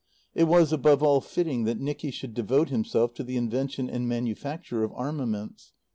It was, above all, fitting that Nicky should devote himself to the invention and manufacture of armaments.